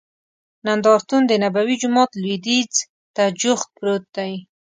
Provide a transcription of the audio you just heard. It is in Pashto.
نندارتون دنبوي جومات لوید یځ ته جوخت پروت دی.